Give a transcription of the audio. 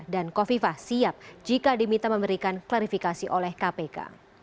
dan kofifah siap jika diminta memberikan klarifikasi oleh kpk